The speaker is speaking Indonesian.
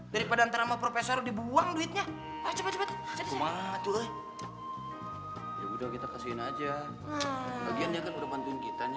dari sekarang sampai jumpa lagi di video selanjutnya